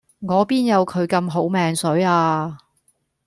我邊有佢咁好命水呀